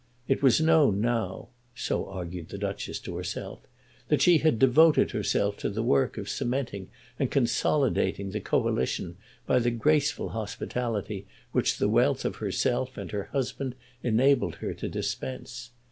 It was known now, so argued the Duchess to herself, that she had devoted herself to the work of cementing and consolidating the Coalition by the graceful hospitality which the wealth of herself and her husband enabled her to dispense.